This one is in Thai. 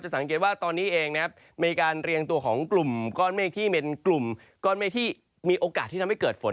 สังเกตว่าตอนนี้เองนะครับมีการเรียงตัวของกลุ่มก้อนเมฆที่เป็นกลุ่มก้อนเมฆที่มีโอกาสที่ทำให้เกิดฝน